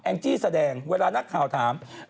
จี้แสดงเวลานักข่าวถาม